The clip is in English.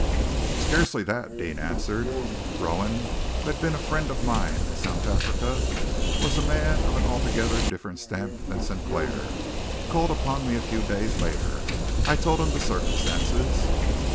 "Scarcely that," Deane answered. "Rowan, who had been a friend of mine in South Africa, and was a man of an altogether different stamp than Sinclair, called upon me a few days later. I told him the circumstances."